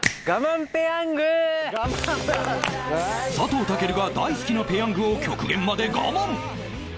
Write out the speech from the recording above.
佐藤健が大好きなペヤングを極限までガマン！